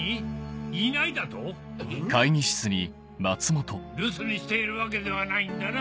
いないだと⁉留守にしているわけではないんだな？